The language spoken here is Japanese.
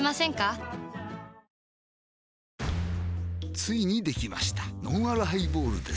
ついにできましたのんあるハイボールです